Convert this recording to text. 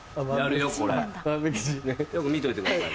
よく見といてくださいね。